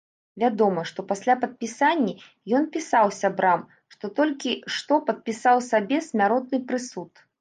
Вядома, што пасля падпісання ён пісаў сябрам, што толькі што падпісаў сабе смяротны прысуд.